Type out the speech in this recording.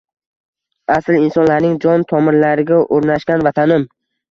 Asl insonlarning jon tomirlariga oʻrnashgan vatanim!